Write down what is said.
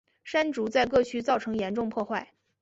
山竹在各区造成严重破坏。